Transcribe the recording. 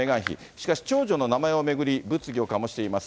しかし長女の名前を巡り、物議を醸しています。